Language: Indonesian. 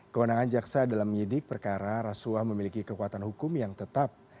kewenangan jaksa dalam menyidik perkara rasuah memiliki kekuatan hukum yang tetap